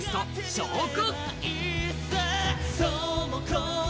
「証拠」。